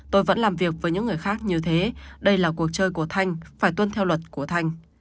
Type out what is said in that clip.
tôi vẫn làm việc với những người khác như thế đây là cuộc chơi của thanh phải tuân theo luật của thanh